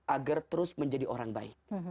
agar terus menjadi orang baik